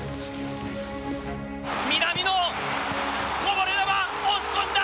南野、こぼれ球押し込んだ。